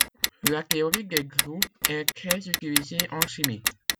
La théorie des groupes est très utilisée en chimie.